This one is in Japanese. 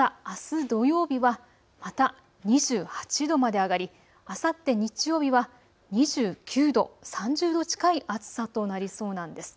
ただあす土曜日はまた２８度まで上がり、あさって日曜日は２９度、３０度近い暑さとなりそうなんです。